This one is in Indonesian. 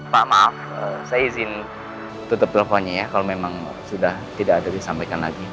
pak maaf saya izin tutup teleponnya ya kalau memang sudah tidak ada disampaikan lagi